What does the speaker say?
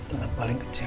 dan anak paling kecil